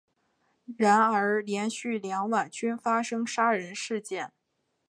然而连续两晚均发生杀人事件。